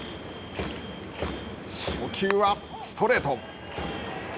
初球はストレート。